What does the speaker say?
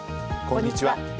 こんにちは。